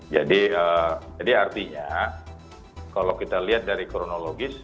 artinya kalau kita lihat dari kronologis